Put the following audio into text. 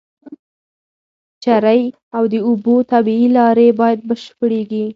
چرۍ او د اوبو طبيعي لاري بايد بشپړي